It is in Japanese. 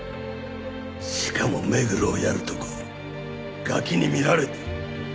しかも目黒をやるとこガキに見られて。